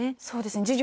そうですね。